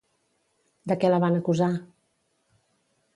De què la van acusar?